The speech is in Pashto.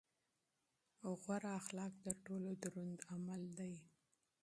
غوره اخلاق تر ټولو دروند عمل دی.